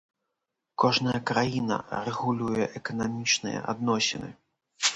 Кожная краіна рэгулюе эканамічныя адносіны.